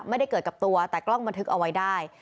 ไม่ได้เกิดกับตัวแต่กล้องบันทึกเอาไว้ได้